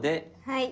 はい。